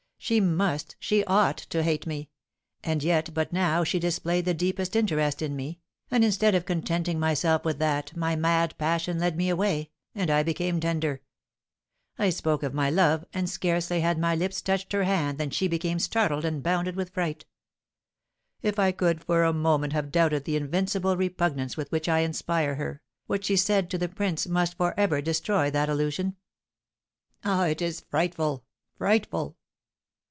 She must, she ought to hate me; and yet but now she displayed the deepest interest in me, and, instead of contenting myself with that, my mad passion led me away, and I became tender. I spoke of my love, and scarcely had my lips touched her hand than she became startled, and bounded with fright. If I could for a moment have doubted the invincible repugnance with which I inspire her, what she said to the prince must for ever destroy that illusion. Ah, it is frightful, frightful!